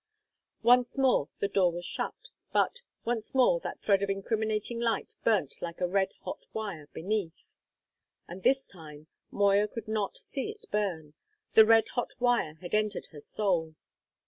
Once more the door was shut; but, once more, that thread of incriminating light burnt like a red hot wire beneath. And this time Moya could not see it burn: the red hot wire had entered her soul.